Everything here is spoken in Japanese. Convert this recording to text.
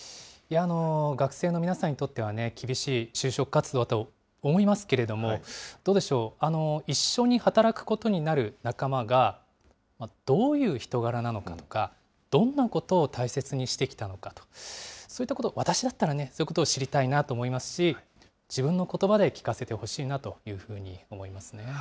学生の皆さんにとってはね、厳しい就職活動だと思いますけれども、どうでしょう、一緒に働くことになる仲間がどういう人柄なのかなとか、どんなことを大切にしてきたのかと、そういったことを、私だったらね、そういうことを知りたいなと思いますし、自分のことばで聞かせてほしいなというふうに思いますね。